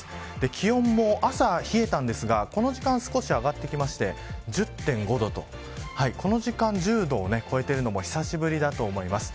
気温も、朝冷えたんですがこの時間は少し上がってきて１０．５度とこの時間１０度を超えてるのも久しぶりだと思います。